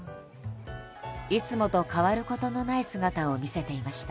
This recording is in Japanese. いつもと変わることのない姿を見せていました。